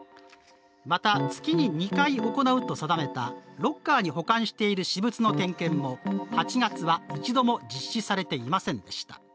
また、月に２回行うと定めたロッカーに保管している私物の点検も８月は一度も実施されていませんでした。